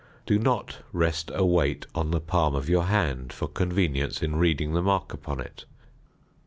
Do not rest a weight on the palm of your hand for convenience in reading the mark upon it.